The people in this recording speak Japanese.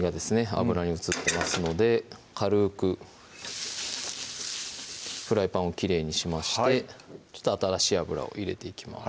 油に移ってますので軽くフライパンをきれいにしまして新しい油を入れていきます